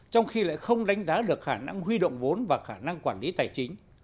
trong khi lại không đánh giá được khả năng huy động vốn và khả năng quản lý tài chính